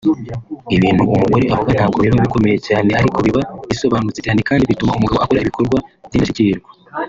Ibintu umugore avuga ntabwo biba bikomeye cyane ariko biba bisobanutse cyane kandi bituma umugabo akora ibikorwa by’indashyikirwa